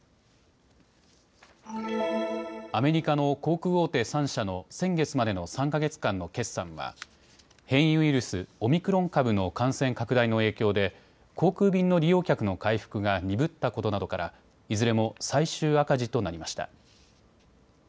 アメリカの航空大手３社の先月までの３か月間の決算は変異ウイルス、オミクロン株の感染拡大の影響で航空便の利用客の回復が鈍ったことなどからいずれも最終赤字となりました。